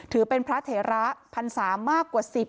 ถือเป็นพระเถระพรรษามากกว่า๑๐